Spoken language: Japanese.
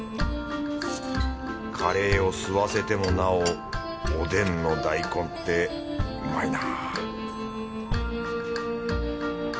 カレーを吸わせてもなおおでんの大根ってうまいな